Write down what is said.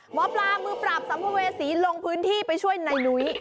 หมอปลามือปราบสัมภเวษีลงพื้นที่ไปช่วยนายนุ้ย